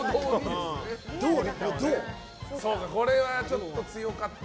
これはちょっと強かった。